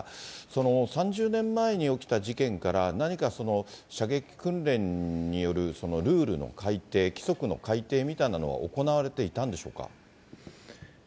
その３０年前に起きた事件から、何かその、射撃訓練によるルールの改定、規則の改定みたいなのは行われていたんでしょうか。